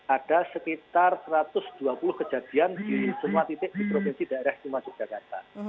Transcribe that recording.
ada sekitar satu ratus dua puluh kejadian di semua titik di provinsi daerah yogyakarta